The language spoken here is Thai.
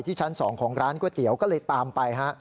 ชั้น๒ของร้านก๋วยเตี๋ยวก็เลยตามไปฮะ